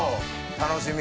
楽しみ。